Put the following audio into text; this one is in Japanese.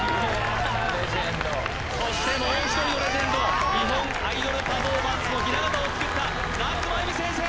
そしてもう一人のレジェンド日本アイドルパフォーマンスのひな型をつくった夏まゆみ先生